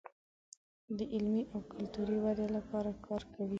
د علمي او کلتوري ودې لپاره کار کوي.